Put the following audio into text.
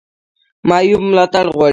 معیوب ملاتړ غواړي